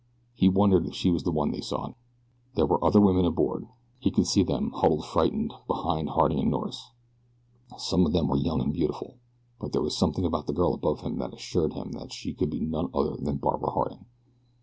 He wondered if she was the one they sought. There were other women aboard. He could see them, huddled frightened behind Harding and Norris. Some of them were young and beautiful; but there was something about the girl above him that assured him she could be none other than Barbara Harding.